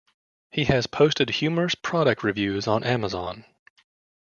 He has posted humorous product reviews on Amazon.